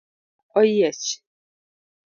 Buga oyiech.